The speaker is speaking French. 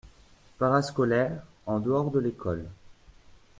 Parascolaire : en dehors de l’école.